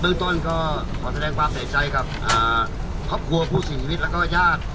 เบื้องต้นก็ขอแสดงปรับในใจครับอ่าครอบครัวผู้สี่ชีวิตแล้วก็ย่าง